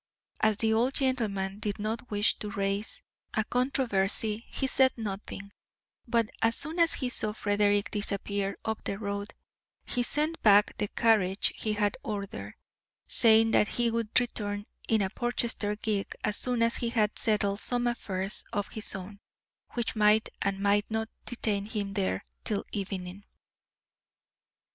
As the old gentleman did not wish to raise a controversy, he said nothing, but as soon as he saw Frederick disappear up the road, he sent back the carriage he had ordered, saying that he would return in a Portchester gig as soon as he had settled some affairs of his own, which might and might not detain him there till evening.